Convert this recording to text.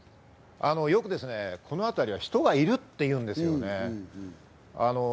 よくこのあたりは人がいるって言うんですよね。